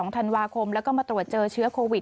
ธันวาคมแล้วก็มาตรวจเจอเชื้อโควิด